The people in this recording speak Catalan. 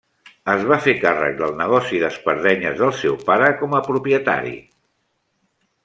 Es va fer càrrec del negoci d'espardenyes del seu pare com a propietari.